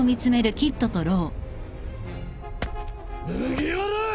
麦わら！